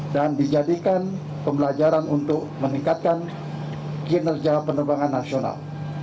dan dijadikan pembelajaran untuk meningkatkan kinerja penerbangan nasional